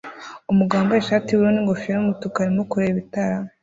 Umugabo wambaye ishati yubururu ningofero yumutuku arimo kureba itara